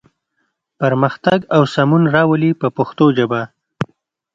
پرمختګ او سمون راولي په پښتو ژبه.